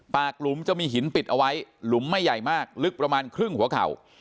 หลุมจะมีหินปิดเอาไว้หลุมไม่ใหญ่มากลึกประมาณครึ่งหัวเข่า